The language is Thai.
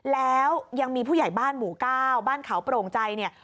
แล้วยังมีผู้ใหญ่บ้านหมู่ก้าวบ้านเขาโปร่งใจเนี่ย